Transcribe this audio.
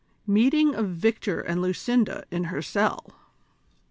MEETING OF VICTOR AND LUCINDA IN HER CELL.